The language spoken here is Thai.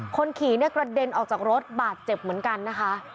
คนขี่เนี่ยกระเด็นออกจากรถบาดเจ็บเหมือนกันนะคะ